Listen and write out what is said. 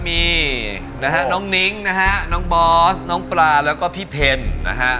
จะเป็นข้าวทราแล้วก็พี่เพนนะฮะ